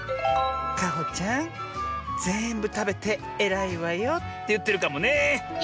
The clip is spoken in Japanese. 「かほちゃんぜんぶたべてえらいわよ」っていってるかもね！